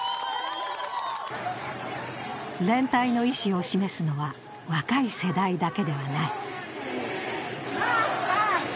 連帯の意思を示すのは若い世代だけではない。